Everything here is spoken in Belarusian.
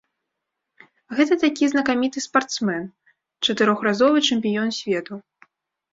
Гэта такі знакаміты спартсмен, чатырохразовы чэмпіён свету.